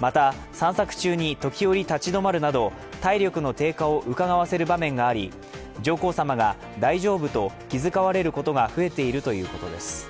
また散策中に時折、立ち止まるなど体力の低下をうかがわせる場面があり上皇さまが大丈夫？と気遣われることが増えているということです。